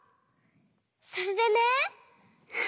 それでね。